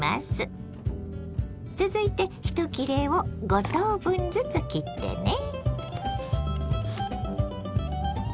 続いて１切れを５等分ずつ切ってね。